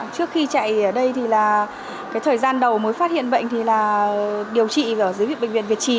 trước khi chạy ở đây thì là cái thời gian đầu mới phát hiện bệnh thì là điều trị ở dưới bệnh viện việt trì